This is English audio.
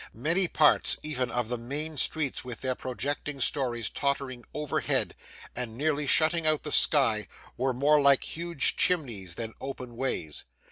Many parts, even of the main streets, with their projecting stories tottering overhead and nearly shutting out the sky, were more like huge chimneys than open ways.